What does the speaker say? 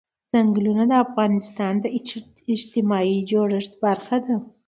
چنګلونه د افغانستان د اجتماعي جوړښت برخه ده.